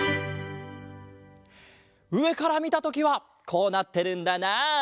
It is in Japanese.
うえからみたときはこうなってるんだなあ。